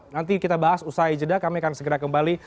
nanti kita bahas usai jeda kami akan segera kembali